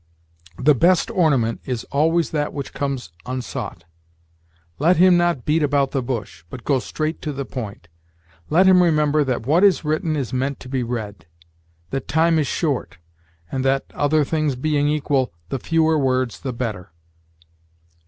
The best ornament is always that which comes unsought. Let him not beat about the bush, but go straight to the point. Let him remember that what is written is meant to be read; that time is short; and that other things being equal the fewer words the better....